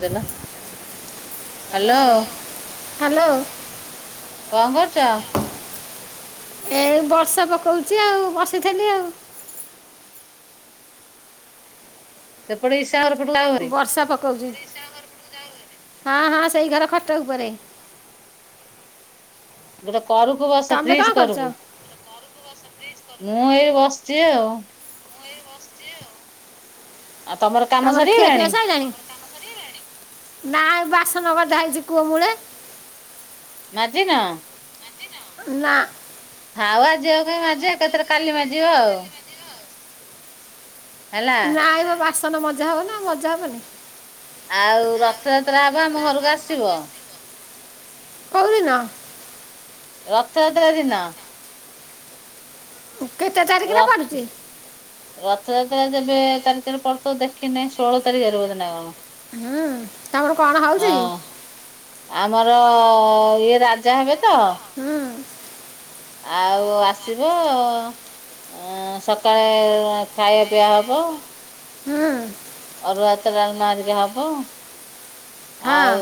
Hello. Hello. କଣ କରୁଛ? ଏଇ ବର୍ଷା ପକଉଛି ଆଉ ବସିଥିଲି ଆଉ। [inaudible] ବର୍ଷା ପକଉଛି। ହଁ ହଁ, ସେଇ ଘର ଖଟ ଉପରେ। ଗୋଟେ କରକୁ ବସ ଫ୍ରିଜ କରକୁ। ମୁଁ ଏଇ ବସିଛି ଆଉ। ଆଉ ତମର କା ତମର ଖିଆପିଆ ସଇଲାଣି, ନାଇଁ ବାସନ ଗଦା ହେଇଛି କୁଅ ମୂଳେ। ମାଜିନ? ନା। ଥାଉ ଆଜିି ଆଉ କାଇଁ ମାଜିବ ଏକାଥରେ କାଲି ମାଜିବ ଆଉ। ନାଇଁ ମ ବାସନ ମଜା ହବ ନା ମଜା ହବନି। ଆଉ ରଥଯାତ୍ରା ହବ ଆମ ଘରକୁ ଆସିବ। କୋଉଦିନ? ରଥଯାତ୍ରା ଦିନ। କେତେ ତା ତାରିଖ ରେ ପଡୁଛି? ରଥଯାତ୍ରା ଯେବେ ତାରିଖରେ ପଡୁଥିବ ଦେଖିନାଇଁ ଷୋହଳ ତାରିଖରେ ବଧେ ନା କଣ। ହୁଁ ତମର କଣ ହଉଛି? ଆମର ଇଏ ରାଜା ହେବେ ତ! ହୁଁ। ଆଉ ଆସିବ। ଅ ସକାଳେ ଖାଇବାପିଇଆ ହବ। ହୁଁ। ଅରୁଆଭାତ ଡାଲମା ହେରିକା ହବ। ଆଉ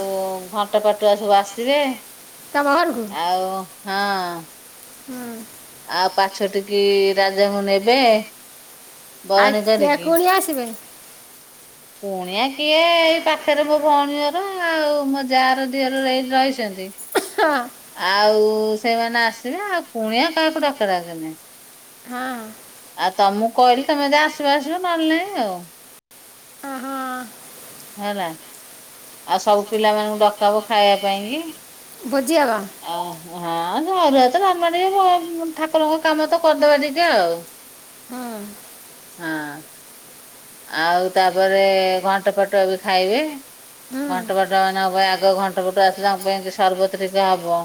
ଘ ନଟ ନଟୁଆ ସବୁ ଆସିବେ ଆଉ ହଁ। ହୁଁ। ଆଉ ପାଛୋଟିକି ରାଜାଙ୍କୁ ନେବେ। ଆଉ କିଏ କୁଣିଆ ଆସିବେ? କୁଣିଆ କିଏ ଏଇ ପାଖରେ ମୋ ଭଉଣୀଘର ଆଉ ମୋ ଯାଆର ଦିଅରର ଏଇଠି ରହିଛନ୍ତି। ଆଉ ସେଇମାନେ ଆସିବେ ଆଉ କୁଣିଆ କାହାକୁ ଡକାଡକି ନାହିଁ। ହଁ। ଆଉ ତମକୁ କହିଲି ତମେ ଯଦି ଆସିବ ଆସିବ ନହେଲେ ନାହିଁ ଆଉ। ହେଲା। ଆଉ ସବୁ ପିଲା ମାନଙ୍କୁ ଡକା ହବ ଖାଇବା ପାଇଁ କି। ଭୋଜିହବ। ଓୋ ହଁ ଘରୁଆତ ଡାଲମା ଟିକେ ଠାକୁରଙ୍କ କାମ ତ କରିଦବା ଟିକେ ଆଉ। ହଁ। ହଁ। ଆଉ ତାପରେ ଘଣ୍ଟପାଟୁଆ ବି ଖାଇବେ। ଘଣ୍ଟପାଟୁଆ ମାନଙ୍କ ପାଇଁ ଆଗ ଘଣ୍ଟପାଟୁଆ ଆସିଲେ ତାଙ୍କ ପାଇଁ ସର୍ବତ ଟିକେ ହବ।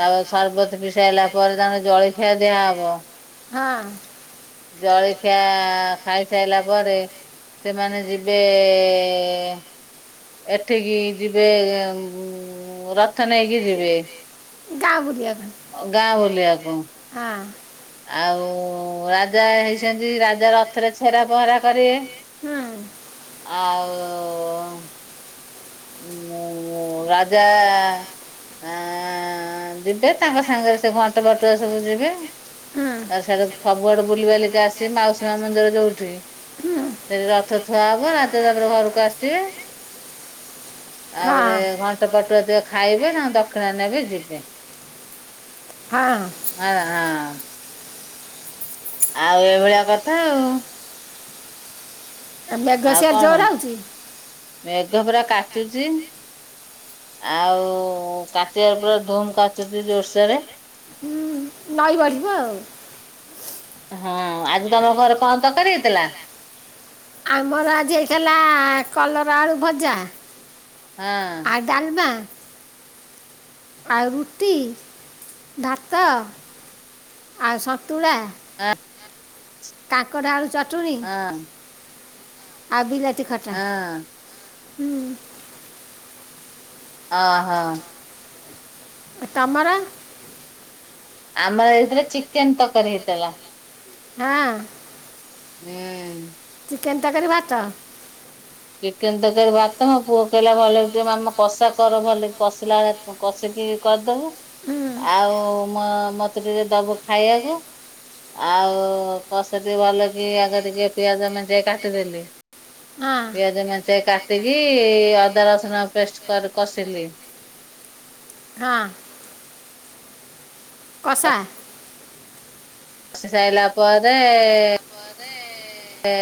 ତାପରେ ସର୍ବତ ପିଶାଇଲା ପରେ ତାଙ୍କର ଜଳିଖିଆ ଦିଆହବ। ହଁ। ଜଳିଖିଆ ଖାଇସାଇଲା ପରେ ସେମାନେ ଯିବେ ଏଠିକି ଯିବେ ଉଁ ରଥ ନେଇକି ଯିବେ। ଗାଁ ବୁ଼ଲିଆକୁ। ଓ ଗାଁ ବୁଲିଆକୁ। ହଁ। ଆଉ ରାଜା ହେଇସନ୍ତି ରାଜା ରଥେରେ ଛେରା ପହଁରା କରିବେ। ହୁଁ। ଆ-ଉ ଉଁ ରାଜା ଆଁ ଆଁ ଯିବେ ତାଙ୍କ ସାଙ୍ଗେରେ ସେ ଘଣ୍ଟପାଟୁଆ ସବୁ ଯିବେ। ଆଉ ସାଡେ ସବୁଆଡୁ ବୁଲିି ବାଲିକି ଆସି ମାଉସୀ ମା ମନ୍ଦିର ଯୋଉଠି ସେଠି ରଥ ଥୁଆ ହବ ରାତିରେ ତାପରେ ଘରୁକୁ ଆସିବେ। ତାପରେ ଘଣ୍ଟପାଟୁଆ ତିକ ଖାଇବେ ତାଙ୍କ ଦକ୍ଷିଣା ନେବେ ଯିବେ। ହଁ। ହଁ ହଁ। ଆଉ ଏଇଭଳିଆ କଥା ଆଉ। ଆଉ କଣ ମେଘ ପରା କାଚୁଚି। ଆଉ କାଚିବା ପୁରା ଧୁମ୍ କାଚୁଚି ଜୋରଶେରେ। ହୁଁ। ନାଇ ବଢିବ ଆଉ। ହଁ ଆଜି ତମ ଘରେ କଣ ତରକାରୀ ହେଇଥିଲା? ଆମର ଆଜି ହେଇଥେଲା କଲରା ଆଳୁ ଭଜା ହଁ ଆଉ ଡାଲମା ଆଉ ରୁଟି ଭାତ ଆଉ ସନ୍ତୁଳା। [unintelligible] କାଙ୍କଡ ଆଳୁ ଚଟୁଣୀ ଆଉ ବିଲାତି ଖଟା ହୁଁ। ଅହ। ଉ ତମର? ଆମର ଆଜି ହେଇଥିଲା ଚିକେନ୍ ତରକାରୀ ହେଇଥେଲା। ହଁ। ହୁଁ। ଚିକେନ୍ ତରକାରୀ ଭାତ? ଚିକେନ ତରକାରୀ ଭାତ ମୋ ପୁଅ କହିଲା ଭଲକିଟିକେ ମାମା କଷା କର ଭଲକି କଷିଲା ବେଳେ ମୁଁ କଷିକି କରିଦବୁ। ଆଉ ମ ମ ମତେ ଟିକେ ଦବୁ ଖାଇଆକୁ। ଆଉ କଷା ଟିକେ ଭଲକି ଆଗେ ଟିକେ ପିଆଜ ମେଞ୍ଚେ କାଟିଦେଲି। ପିଆଜ ମେଞ୍ଚେ କାଟିକି ଅଦା ରସୁଣ ପେଷ୍ଟେ କରି କଷିଲି। ହଁ। କଷା କଷି ସାଇଲାପରେ ଏ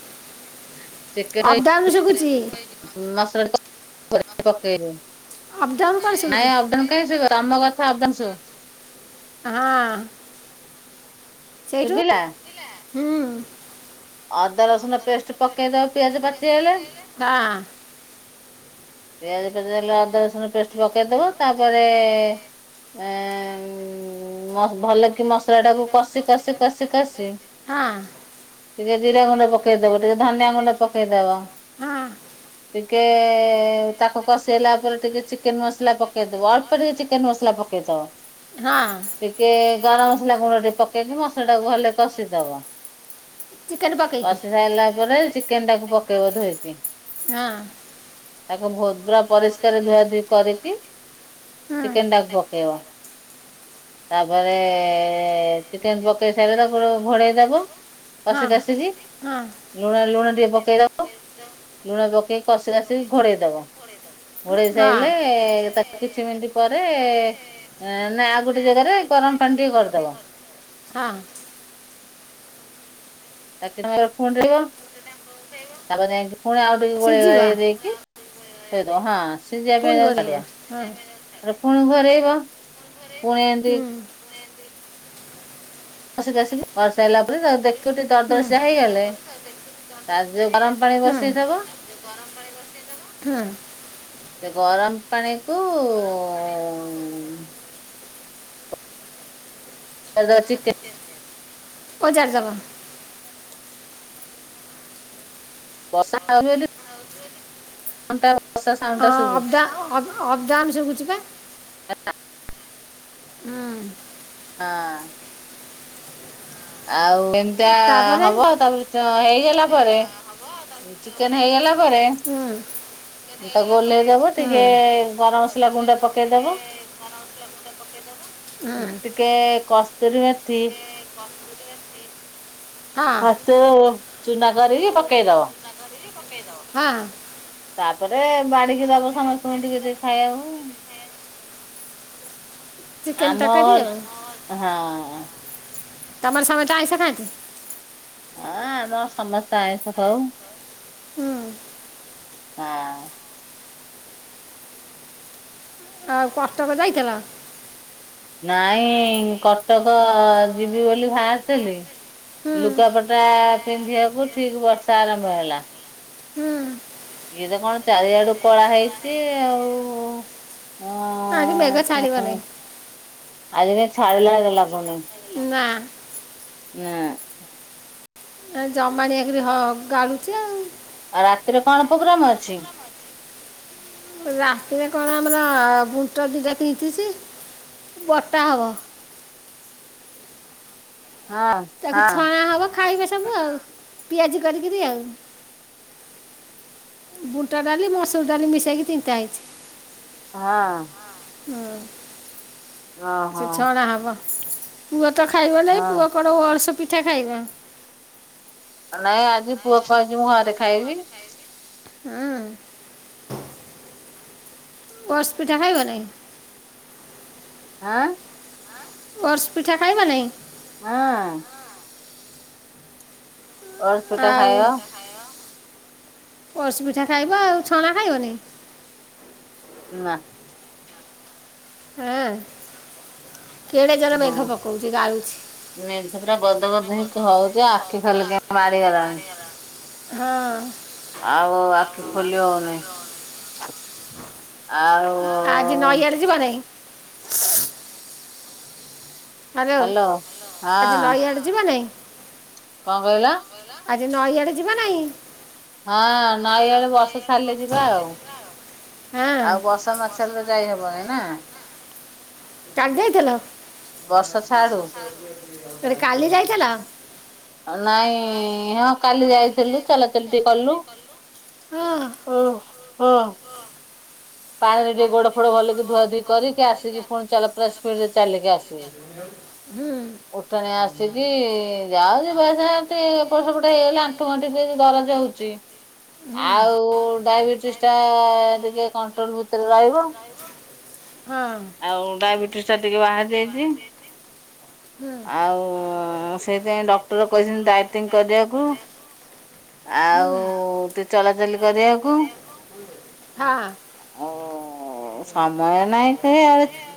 [unintelligible] ଟାମ୍ ଶୁବୁଚି। ମସଲାତ [unintelligible] ନାଇଁ ଅପ୍ ଡାଉନ୍ କାଇଁ ଶୁବିବ ତମ କଥା ଅପ୍ ଡାଉନ୍ ଶୁବୁ। ହଁ। ସେଇଠୁ ଶୁବିଲା ହୁଁ। ଅଦା ରସୁଣ ପେଷ୍ଟେ ପକେଇ ଦବ ପିଆଜ ପାଚିଆଇଲେ। ହଁ। ପିଆଜ ପାଚିଗଲେ ଅଦା ରସୁଣ ଟେଷ୍ଟେ ପକେଇଦବ ତାପରେ ଏ ଉ ଭଲକି ମସଲା ଟାକୁ କଷି କଷି କଷି କସିି ହଁ। ଟିକେ ଜିରା ଗୁଣ୍ଡ ପକେଇଦବ ଟିକେ ଧନିଆ ଗୁଣ୍ଡ ପକେଇଦବ। ହଁ। ଟିକେ ତାକୁ କସେଇଲା ପରେ ଟିକେ ଚିକେନ୍ ମସଲା ପକେଇଦବ ଅଳ୍ପ ଟିକେ ଚିକେନ୍ ମସଲା ପକେଇଦବ। ହଁ। ଟିକେ ଗରମ ମସଲା ଗୁଣ୍ଡ ଟିକେ ପକେଇକି ମସଲା ଟାକୁ ଭଲରେ କଷିଦବ। କଶି ସାଇଲା ପରେ ଚିକେନ୍ ଟାକୁ ପକେଇବ ଧୋଇକି। ହଁ। ତାକୁ ଭହୁତ୍ ପୁରା ପରିଷ୍କାର ଧୁଆ ଧୁଇ କରିକି ଚିକେନ୍ ଟାକୁ ପକେଇବ। ତାପରେ ଚିକେନ୍ ପକେଇ ସାରିଲେ ତାକୁ ଘୋଡେଇ ଦବ। କଷି କାଷିକି ଲୁଣ ଲୁଣ ଟିକେ ପକେଇ ଦବ। ଲୁଣ ପକେଇ କଷିଲାଷିକି ଘୋଡେ଼ଇ ଦବ ଘୋଡେ଼ଇ ସାଇଲେ ତା କିଛି ମିନିଟ୍ ପରେ ନା ଆଉ ଗୋଟେ ଜାଗାରେ ଗରମ ପାଣି ଟିକେ କରିଦବ। ହଁ। [unintelligible] ତାପରେ ଯାଇକି ପୁଣି ଆଉ ଟିକେ ଗୋଳେଇ ଗାଳେଇ ଦେଇକି ଦେଇଦବ ହଁ ସିଜିବାପାଇଁ ତାକୁ ଛାଡ଼ିବ। ତାପରେ ପୁଣି ଘୋରେଇବ ପୁଣି ଏମିତି କସି କାସିକି କରିସାରିଲା ପରେ ଦେଖିବୁ ଟିକେ ଦରଦର ସିଝା ହେଇଗଲେ ତାରେ ଯୋ ଗରମ ପାଣି ବସେଇଥବ ଗରମ ପାଣି ବସେଇ ଦବ ହୁଁ। ସେ ଗରମ ପାଣି କୁ ଉ ଳି ଦବ ଚିକେନ ଅଜାରି ଦବ। ବର୍ଷା ହଉଚି ବୋଲି ତା ବର୍ଷା ସାଉଣ୍ଡୁ ଟା ଶୁଭୁଚି। ଅଫଡାଉନ୍ ଶୁବୁଚିବା। ଉଁ। ହଁ। ଆଉ ଏମିତିଆ ହବ ଆଉ ତାପରେ ତ ହେଇଗଲା ପରେ ଚିକେନ ହେଇଗଲା ପରେ ହୁଁ ତ ଗୋଲେଇଦବ ଟିକେ ଗରମ ମସଲା ଗୁଣ୍ଡ ପକେଇଦବ। ଟିକେ କସ୍ତୁରୀ ମେଥି ହଁ ପାକେଇଦେବ ଚୁନା କରିକି ପକେଇଦବ। ହଁ ତାପରେ ବାଡିକି ଦବ ସମସ୍ତଙ୍କୁ ଟିକେ ଟିକେ ଖାଇବାକୁ। ଆମର ହଁ ତମର ସାଙ୍ଗ ତ ଆଇସ ଖାଆନ୍ତୀ। ହଁ ଆମ ସମସ୍ତେ ଆଇଁଷ ଖାଉ। ହଁ ଆଉ କଟକ ଯାଇଥିଲ? ନାଇଁ କଟକ ଯିବି ବୋଲି ବାହାରିଥିଲି। ଲୁଗାପଟା ପିନ୍ଧିବାକୁ ଠିକ ବର୍ଷା ଆରମ୍ଭ ହେଲା। ହୁଁ ଇଏ ତ କଣ ଚାରିଆଡୁ କଳା ହେଇଛି ଆଉ। ଆଜି ମେଘା ଛାଡିବନି। ଆଜି ଛାଡ଼ିଲା ଭଳି ଲାଗୁନି। ନା ହଁ ଜମା ନେଇଆକରି ହ ଗାଳୁଛି ଆଉ। ଆଉ ରାତିରେ କଣ ପ୍ରୋଗ୍ରାମ ଅଛି? ରାତିରେ କଣ ଆମର ବୁଣ୍ଟ ଦିଟା କିିନ୍ଧିଛି ବଟା ହବ। ହଁ ତାକୁ ଛଣା ହବ ଖାଇବେ ସବୁ ଆଉ ପିଆଜି କରିକିରି ଆଉ। ବୁଟ ଡାଲି ମସୁର ଡାଲି ମିଶାଇକି ତିନିଟା ହେଇଛି। ହଁ ହୁଁ ସେ ଛଣା ହବ। ପୁଅ ତ ଖାଇବ ନାଇ ପୁଅ କଣ ଅଳସ ପିଠା ଖାଇବ। ନାଇଁ ଆଜି ପୁଅ କହିଛି ମୁଁ ଘରେ ଖାଇବି। ହଁ ପସ୍ ପିଠା ଖାଇବ ନାହିଁ। ହଁ ଓର୍ଷ ପିଠା ଖାଇବା ନାଇଁ? ହଁ ଅରସ ପିଠା ଖାଇବ। ଅର୍ସ ପିଠା ଖାଇବ ଆଉ ଛଣା ଖାଇବନି? ନା ଓ କେଡେ ଜଡ଼ରେ ମେଘ ପକଉଛି ଗାଳୁଛି। ମେଘ ପରା ବଦଉଚି ଏଇମି ହୋଉଚି ଆ। ହଁ। ଆଉ ଆଖି ଖୋଲି ହଉନି। ଆ ଆଜି ନଈଆଡ ଯିବ ନାଇ। ହ୍ୟାଲୋ ଆଜି ନଈଆଡେ ଯିବାନାଇ? କ କହିଲ? ଆଜି ନଈଆଡେ ଯିବ ନାଇ। ହଁ ନଈ ଆଡେ ବର୍ଷା ଛାଡିଲେ ଯିବା ଆଉ ଆଉ ବର୍ଷା ନ ଛାଡିଲେ। ଲେ ତ ଯାଇ ହବନି ନା। କାଲି ଯାଇଥିଲ। ଆରେ କାଲି ଯାଇଥିଲ। ନାଇଁ ହଁ କାଲି ଯାଇଥିଲୁ ଚଲାଚଲି ଟିକେ କଲୁ। ହଁ। ଓ ହୋ। ପାଣିରେ ଟିକେ ଗୋଡ ଫୋଡ ଭଲକି ଧୁଆ ଧୁଇ କରିକି ଆସିକି ପୁଣି ଚଲା ପୁରା ସ୍ପିଡ ରେ ଚାଲିକି ଆସିବୁ। ହୁଁ। ଉଠାଣିଆ ଆସିଛି ଯାଉଛି ବୟସ ରେ ଏପଟ ସେପଟେ ହେଇଗଲେ ଆଣ୍ଠୁ ଗଣ୍ଠି ଦରଜ ହଉଛି। ଚି ଆଉ ଡାଇବେଟିସି ଟା ଟିକେ କଣ୍ଟ୍ରୋଲ ଭିତରେ ରହିବ। ହଁ। ଆଉ ଡାଇବେଟିସି ଟା ଟିକେ ବାହାରି ଯାଇଛି। ଆଉ ସେଇଥି ପାଇଁ ଡକ୍ଟର କହିଛନ୍ତି ଡାଇଟିଂ କରିବାକୁ। ଆଉ ଟିକେ ଚଲାଚଲି କରିବାକୁ। ହାଁ। ଆଉ ଉଁ ସମୟ ନାଇଁ ଏତେ ଆଉ।